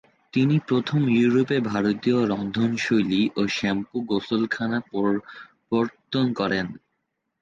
তিনি প্রথম ইউরোপে ভারতীয় রন্ধনশৈলী ও শ্যাম্পু গোসলখানা প্রবর্তন করেন।